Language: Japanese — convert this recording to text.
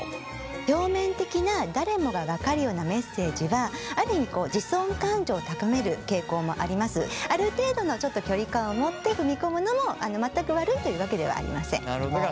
表面的な誰もが分かるようなメッセージはある意味ある程度の距離感を持って踏み込むのも全く悪いというわけではありません。